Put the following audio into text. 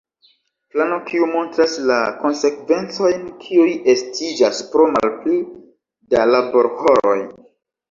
Plano, kiu montras la konsekvencojn kiuj estiĝas pro malpli da laborhoroj.